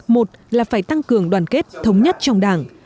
một là phải tăng cường đoàn kết thống nhất trong đảng